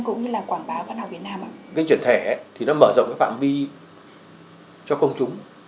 cái chuyển thể thì nó mở rộng phạm vi cho công chúng